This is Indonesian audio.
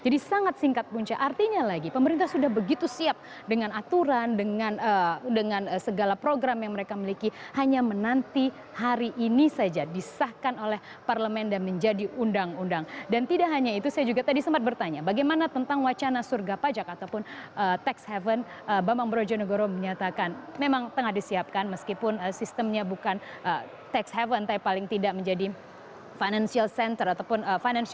dan bagaimana jalannya rancangan